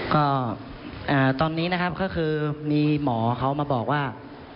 ก็ตอนนี้นะครับก็คือมีหมอเขามาบอกว่า